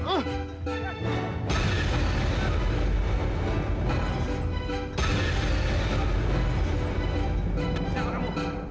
yang selalu berasing